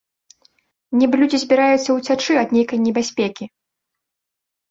Нібы людзі збіраюцца ўцячы ад нейкай небяспекі.